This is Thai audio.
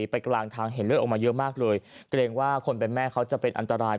ไปกลางทางเห็นเลือดออกมาเยอะมากเลยเกรงว่าคนเป็นแม่เขาจะเป็นอันตราย